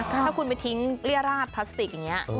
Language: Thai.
ถ้าคุณไปทิ้งเรียราชพลาสติกอย่างนี้